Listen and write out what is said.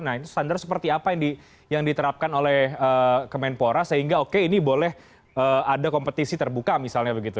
nah itu standar seperti apa yang diterapkan oleh kemenpora sehingga oke ini boleh ada kompetisi terbuka misalnya begitu